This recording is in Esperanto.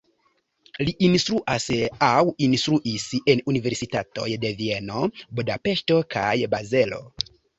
Li instruas aŭ instruis en universitatoj de Vieno, Budapeŝto kaj Bazelo.